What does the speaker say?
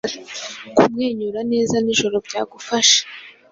Kumwenyura neza nijoro byagufasha